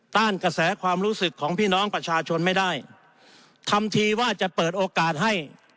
ต้านกระแสความรู้สึกของพี่น้องประชาชนไม่ได้ทำทีว่าจะเปิดโอกาสให้